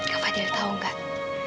kak fadil tau gak